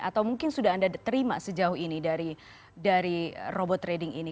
atau mungkin sudah anda terima sejauh ini dari robot trading ini